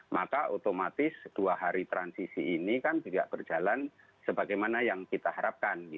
maka otomatis dua hari transisi ini kan tidak berjalan sebagaimana yang kita harapkan